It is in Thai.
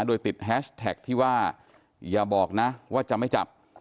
โดยติดแฮชแท็กที่ว่าอย่าบอกนะว่าจะไม่จับ